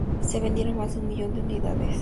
Se vendieron más de un millón de unidades.